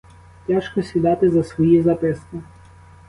Тяжко сідати за свої записки.